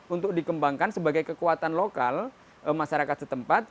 untuk dikembangkan sebagai kekuatan lokal masyarakat setempat